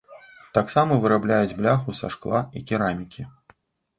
Таксама вырабляюць бляху са шкла і керамікі.